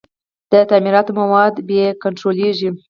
د تعمیراتي موادو بیې کنټرولیږي؟